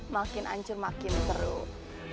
makin ancur makin teruk